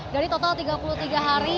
dari total tiga puluh tiga hari